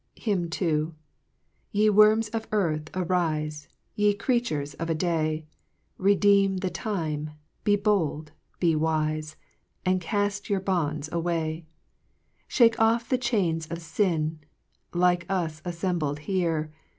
HYMN II. 1 "V7"E worms of earth, arife, JL Yc creatures of a day, Redeem the time, be bold, be wife, And caft your bonds away ; Shake oft" the chains of fin, Like us affembled here.